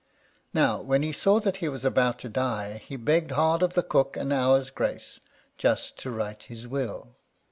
Now when he saw that he was about to die, he begged hard of the cook an hour's grace, just to write his will.